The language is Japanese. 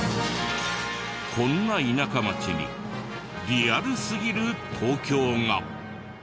こんな田舎町にリアルすぎる東京が。